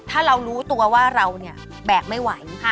ถ้าเรารู้ตัวว่าเราเนี่ยแบกไม่ไหว